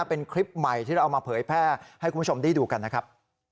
เป็นคลิปใหม่ที่เราเอามาเผยแพร่ให้คุณผู้ชมได้ดูกันนะครับ